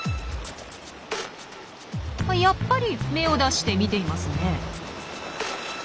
やっぱり目を出して見ていますね。